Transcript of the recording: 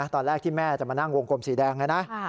ตอนแรกที่แม่จะมานั่งวงกลมสีแดงเลยนะ